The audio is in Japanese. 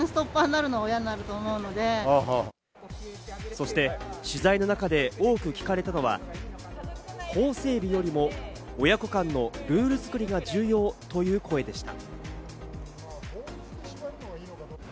そして取材の中で多く聞かれたのが、法整備よりも親子間のルール作りが重要という声でした。